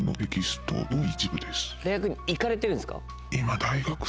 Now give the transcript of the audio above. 大学に行かれてるんですか？